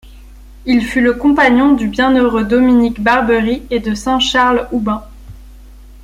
Il fut le compagnon du bienheureux Dominique Barberi et de saint Charles Houben.